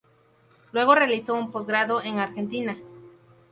Luego realizó un posgrado en Argentina.